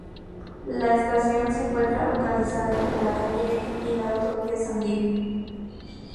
La estación se encuentra localizada entre la Calle E y la Autovía San Diego.